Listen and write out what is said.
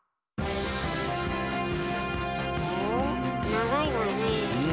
長いわねえ。